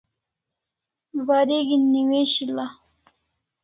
Wareg'in newishil'a